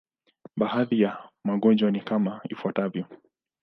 Baadhi ya magonjwa ni kama ifuatavyo.